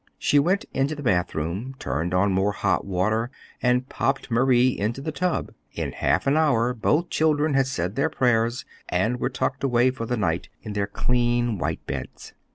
She went into the bathroom, turned on more hot water, and popped Marie into the tub. In half an hour both children had said their prayers and were tucked away for the night in their clean white beds.